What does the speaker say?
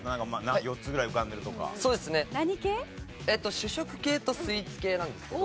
主食系とスイーツ系なんですけど。